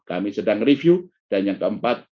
kami sedang review dan yang keempat